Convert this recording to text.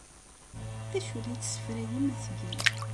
D acu ay la tessefrayem ad t-tgem?